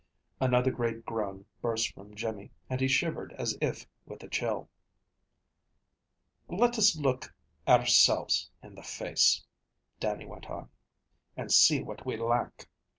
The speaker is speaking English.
Another great groan burst from Jimmy, and he shivered as if with a chill. "Let us look ourselves in the face," Dannie went on, "and see what we lack.